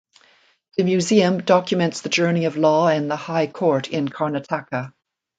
The museum documents the journey of law and the high court in Karnataka.